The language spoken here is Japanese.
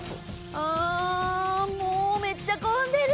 あもうめっちゃ混んでる。